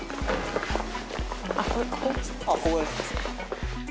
あっ、ここですね。